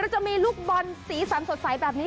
เราจะมีลูกบอนสีสำสดใสแบบนี้